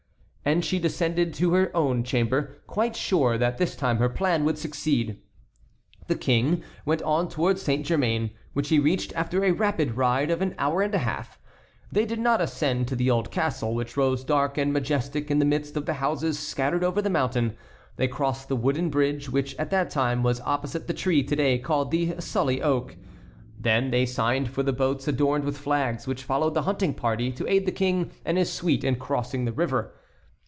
And she descended to her own chamber, quite sure this time that her plan would succeed. The King went on towards Saint Germain, which he reached after a rapid ride of an hour and a half. They did not ascend to the old castle, which rose dark and majestic in the midst of the houses scattered over the mountain. They crossed the wooden bridge, which at that time was opposite the tree to day called the "Sully Oak." Then they signed for the boats adorned with flags which followed the hunting party to aid the King and his suite in crossing the river.